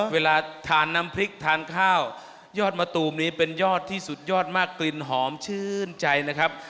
เวลาทานน้ำพริกทานข้าวยอดมะตูมนี้เป็นยอดที่สุดยอดมากกลิ่นหอมชื่นใจนะครับ